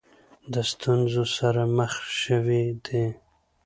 د ستونزو سره مخ شوې دي.